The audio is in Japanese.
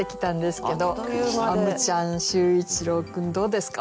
あむちゃん秀一郎君どうですか？